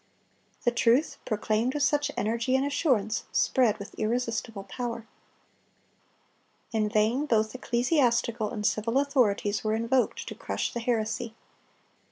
The truth, proclaimed with such energy and assurance, spread with irresistible power. In vain both ecclesiastical and civil authorities were invoked to crush the heresy.